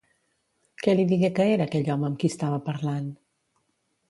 Què li digué que era aquell home amb qui estava parlant?